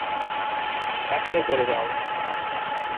এখনই চলে যাও!